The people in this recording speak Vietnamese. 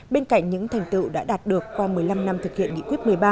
bên cạnh những thành tựu đã đạt được qua một mươi năm năm thực hiện nghị quyết một mươi ba